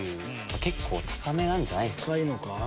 結構高めなんじゃないですか？